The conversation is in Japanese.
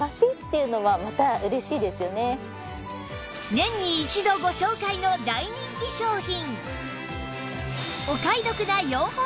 年に一度ご紹介の大人気商品